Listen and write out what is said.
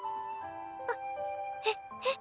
あっえっえっ？